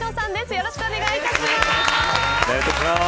よろしくお願いします。